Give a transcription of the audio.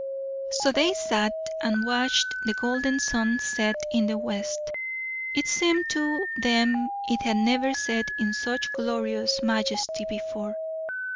So they sat and watched the golden sun set in the west. It seemed to them it had never set in such glorious majesty before.